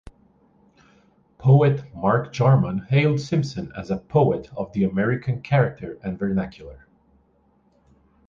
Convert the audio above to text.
Poet Mark Jarman hailed Simpson as a poet of the American character and vernacular.